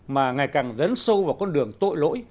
mà ngày càng dấn sâu vào con đường tội lỗi